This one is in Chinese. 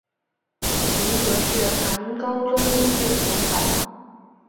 麟德是唐高宗李治的年号。